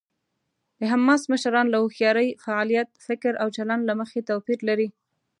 د حماس مشران له هوښیارۍ، فعالیت، فکر او چلند له مخې توپیر لري.